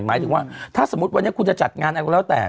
หมายถึงว่าถ้าสมมุติวันนี้คุณจะจัดงานอะไรก็แล้วแต่